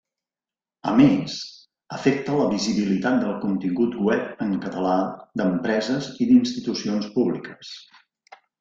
A més, afecta la visibilitat del contingut web en català d'empreses i d'institucions públiques.